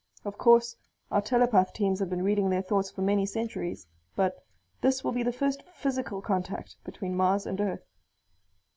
Of course our telepath teams have been reading their thoughts for many centuries, but this will be the first physical contact between Mars and Earth."